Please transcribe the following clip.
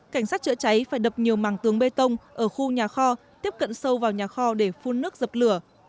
cảnh sát chữa cháy phải đập nhiều màng tường bê tông ở khu nhà kho tiếp cận sâu vào nhà kho để phun nước dập lửa